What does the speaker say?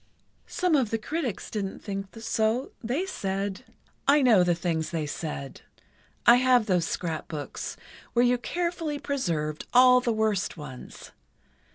"Some of the critics didn't think so; they said——" "I know the things they said. I have those scrapbooks, where you carefully preserved all the worst ones.